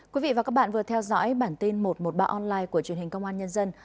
quý vị và các bạn vừa theo dõi bản tin một trăm một mươi ba online của truyền hình công an nhân dân